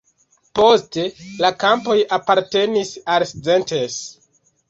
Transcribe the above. Poste la kampoj apartenis al Szentes.